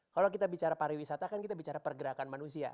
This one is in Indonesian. kalau kita bicara pariwisata kan kita bicara pergerakan manusia